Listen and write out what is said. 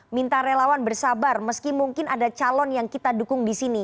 minta relawan bersabar meski mungkin ada calon yang kita dukung di sini